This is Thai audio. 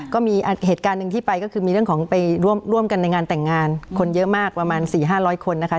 ก็มีเหตุการณ์หนึ่งที่ไปก็คือมีเรื่องของไปร่วมกันในงานแต่งงานคนเยอะมากประมาณ๔๕๐๐คนนะคะ